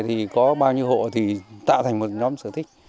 thì có bao nhiêu hộ thì tạo thành một nhóm sở thích